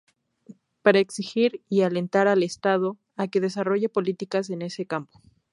Para exigir y alentar al Estado a que desarrolle políticas en ese campo.